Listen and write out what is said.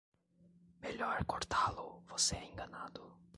Melhor cortá-lo, você é enganado!